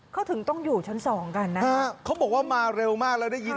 เขาถึงต้องอยู่ชั้นสองกันนะฮะเขาบอกว่ามาเร็วมากแล้วได้ยิน